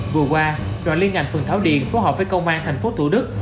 vừa qua đoạn liên ngành phường tháo điện phối hợp với công an thành phố thủ đức